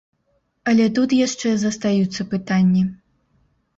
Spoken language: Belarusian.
Але тут яшчэ застаюцца пытанні.